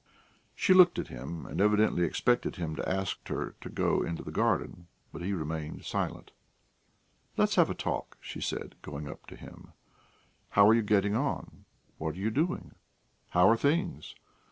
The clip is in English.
She looked at him, and evidently expected him to ask her to go into the garden, but he remained silent. "Let us have a talk," she said, going up to him. "How are you getting on? What are you doing? How are things?